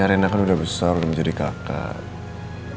ya reina kan udah besar udah menjadi kakak